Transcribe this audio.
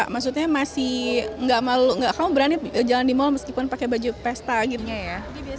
maksudnya masih kamu berani jalan di mal meskipun pakai baju pesta gitu ya